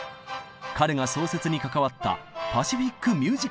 彼が創設に関わったパシフィック・ミュージック・フェスティバル。